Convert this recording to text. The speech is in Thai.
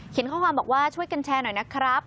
ข้อความบอกว่าช่วยกันแชร์หน่อยนะครับ